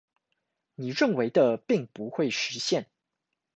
你認為的並不會實現